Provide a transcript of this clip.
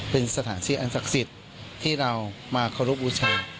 เป็นสถานที่อันศักดิ์สิทธิ์ที่เรามาเคารพบูชา